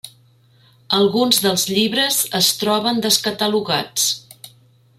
Alguns dels llibres es troben descatalogats.